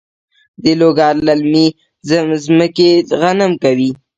د لوګر للمي ځمکې غنم کوي؟